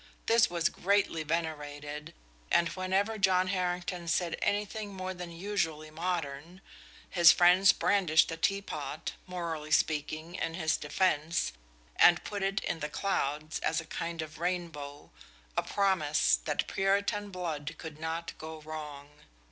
This was greatly venerated, and whenever John Harrington said anything more than usually modern, his friends brandished the teapot, morally speaking, in his defense, and put it in the clouds as a kind of rainbow a promise that Puritan blood could not go wrong.